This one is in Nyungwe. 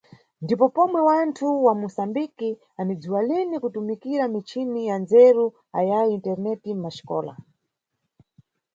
Ndipo pomwe wanthu wa Musambiki anidziwa lini kutumikira michini ya nzeru ayayi Internet mʼmaxikola.